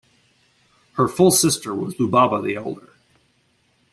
Her full sister was Lubaba the Elder.